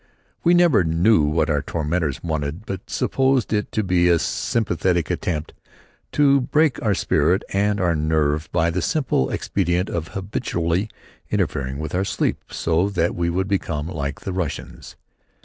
We never knew what our tormentors wanted but supposed it to be a systematic attempt to break our spirit and our nerve by the simple expedient of habitually interfering with our sleep so that we would become like the Russians.